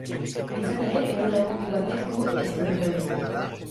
Izan ere ehun lagundik batek du eskizofrenia.